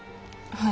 はい。